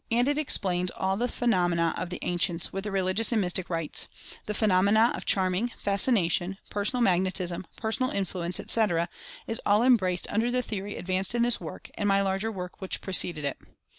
And it explains all the phenomena of the ancients, with their religious and mystic rites. The phenomena of Charming, Fascination, Personal Mag netism, Personal Influence, etc., is all embraced un der the theory advanced in this work, and my larger work which preceded it.